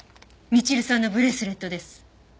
みちるさんのブレスレットです。